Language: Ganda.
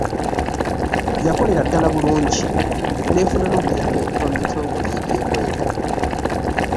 Yakolera ddala bulungi, n’efuna n’obuyambi okuva mu bitongole eby’ebweru.